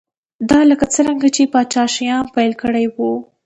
دا لکه څرنګه چې پاچا شیام پیل کړی و